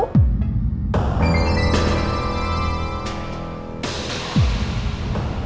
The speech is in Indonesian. aku mau ngegas sekarang